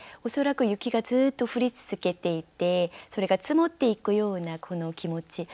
恐らく雪がずっと降り続けていてそれが積もっていくようなこの気持ち。